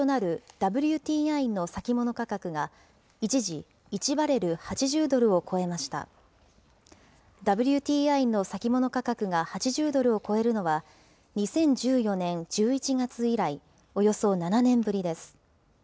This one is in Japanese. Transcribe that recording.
ＷＴＩの先物価格が８０ドルを超えるのは、２０１４年１１月以来、およそ７年ぶりです。